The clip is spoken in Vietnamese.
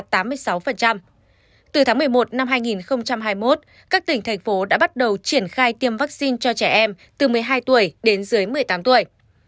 từ tháng một mươi một năm hai nghìn hai mươi một các tỉnh thành phố đã bắt đầu triển khai tiêm vaccine cho trẻ em từ một mươi hai tuổi đến dưới một mươi tám tuổi